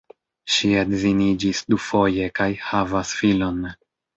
Ŝi edziniĝis dufoje kaj havas filon.